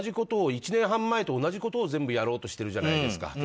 １年半前と同じことをやろうとしているじゃないですか。